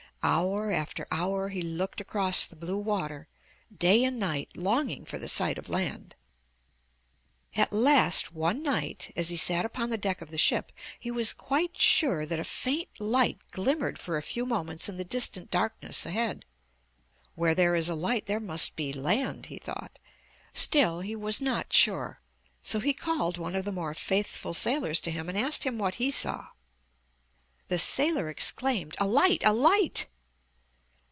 Hour after hour he looked across the blue water, day and night, longing for the sight of land. At last one night, as he sat upon the deck of the ship, he was quite sure that a faint light glimmered for a few moments in the distant darkness ahead. Where there is a light there must be land, he thought. Still he was not sure. So he called one of the more faithful sailors to him and asked him what he saw. The sailor exclaimed: "A light, a light!"